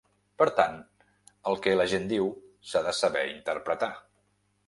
Per tant, el que la gent diu s'ha de saber interpretar.